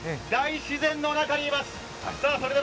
大自然の中におります。